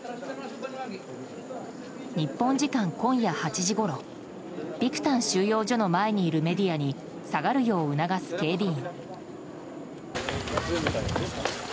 日本時間今夜８時ごろビクタン収容所の前にいるメディアに下がるよう促す警備員。